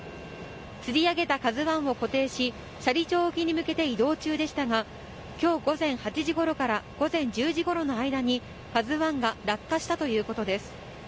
つり上げた「ＫＡＺＵ１」を固定し斜里町沖に向けて移動中でしたが今日午前８時ごろから午前１０時ごろの間に「ＫＡＺＵ１」が落下したということです。